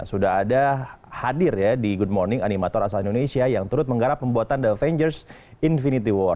sudah ada hadir ya di good morning animator asal indonesia yang turut menggarap pembuatan the avengers infinity war